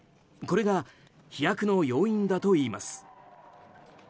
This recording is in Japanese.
これが飛躍の要因だといいます。